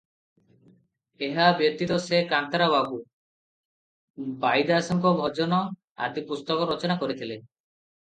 "ଏହା ବ୍ୟତୀତ ସେ "କାନ୍ତରା ବାବୁ", "ବାଇଦାସଙ୍କ ଭଜନ" ଆଦି ପୁସ୍ତକ ରଚନା କରିଥିଲେ ।"